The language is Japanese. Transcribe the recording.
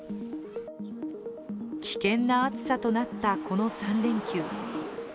危険な暑さとなった、この３連休。